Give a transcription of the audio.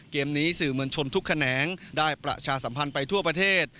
เกมนี้สื่อมวลชนทุกแขนงได้ประชาสัมพันธ์ไปทั่วประเทศ